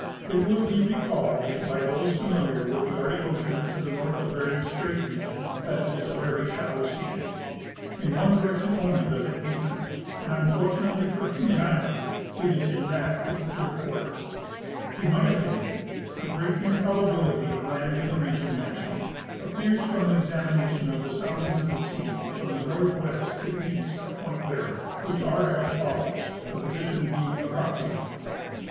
It will be recalled by those familiar with the Arctic ocea.n to tlie north of Bering strait region that it is a very shalloAV sea. In one direction only does it deepen, and, unfortunately for Keenan island, it is in that particular quarter. In my opinion, the great improl)ability of land in the region mentioned appears from an examination of the soundings of the sea from the northwest to east of point Barrow, which are as follo^t*s, the position being approximate : 172° W.